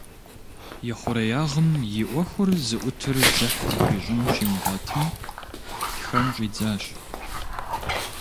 И хъуреягъым и ӏуэхур зыӏутыр дзыхь зыхуищӏын щимыгъуэтым, тхэн щӏидзащ.